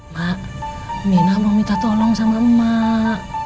mak mina mau minta tolong sama emak